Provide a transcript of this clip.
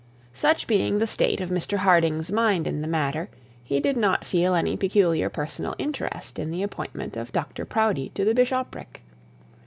Such being the state of Mr Harding's mind in the matter, he did not feel any peculiar personal interest in the appointment of Dr Proudie to the bishopric.